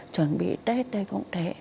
chuẩn bị tết đây cũng thế